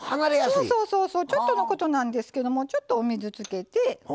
ちょっとのことなんですけどもちょっとお水つけて。